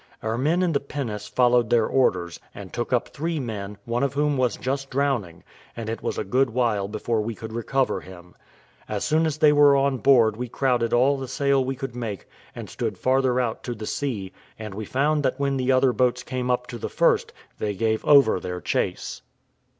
Our men in the pinnace followed their orders, and took up three men, one of whom was just drowning, and it was a good while before we could recover him. As soon as they were on board we crowded all the sail we could make, and stood farther out to the sea; and we found that when the other boats came up to the first, they gave over their chase.